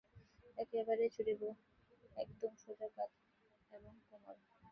একবারেই ছুঁড়বে, একদম সোজা, কাধ এবং কোমর।